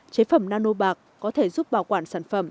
chế phẩm nano bạc có thể giúp bảo quản sản phẩm